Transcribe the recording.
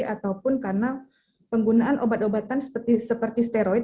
ataupun karena penggunaan obat obatan seperti steroid